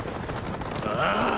ああ！